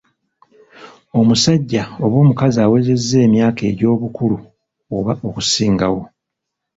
Omusajja oba omukazi awezezza emyaka egy'obukulu oba okusingawo.